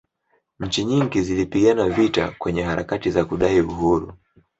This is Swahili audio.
nchi nyingi zilipigana vita kwenye harakati za kudai uhuru